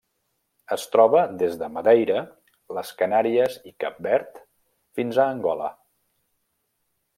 Es troba des de Madeira, les Canàries i Cap Verd fins a Angola.